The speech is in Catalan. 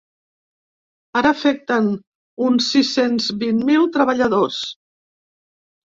Ara afecten uns sis-cents vint mil treballadors.